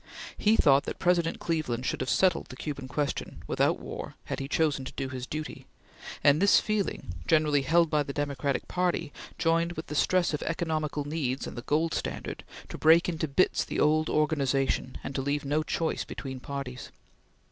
He thought that President Cleveland could have settled the Cuban question, without war, had he chosen to do his duty, and this feeling, generally held by the Democratic Party, joined with the stress of economical needs and the gold standard to break into bits the old organization and to leave no choice between parties.